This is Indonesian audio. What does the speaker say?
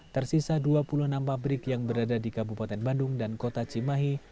tersisa dua puluh enam pabrik yang berada di kabupaten bandung dan kota cimahi